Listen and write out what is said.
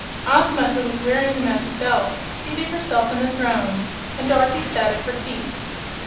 Ozma, who was wearing the Magic Belt, seated herself in the throne, and Dorothy sat at her feet.